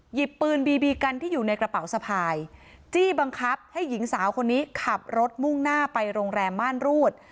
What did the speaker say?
หยิบปืนบีบีกันที่อยู่ในกระเป๋าสะพายจี้บังคับให้หญิงสาวคนนี้ขับรถมุ่งหน้าไปโรงแรมม่านรูด